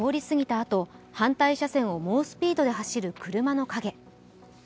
あと反対車線を猛スピードで走る車の影。